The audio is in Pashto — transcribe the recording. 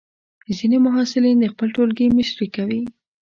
ځینې محصلین د خپل ټولګي مشري کوي.